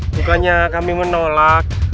bukannya kami menolak